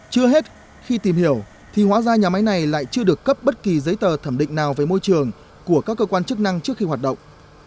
chưa hết khi tìm hiểu thì hóa ra nhà máy này lại chưa được cấp bất kỳ giấy tờ thẩm định nào về môi trường của các cơ quan chức năng trước khi hoạt động